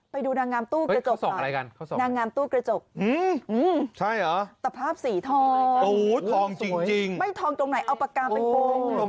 ไปดูนางงามตู้กระจกนางงามตู้กระจกตะภาพสีทองทองจริงไม่ทองตรงไหนเอาปากกาเป็นโปรง